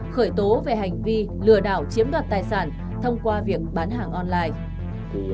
khởi tố về hành vi lừa đảo chiếm đoạt tài sản thông qua việc bán hàng online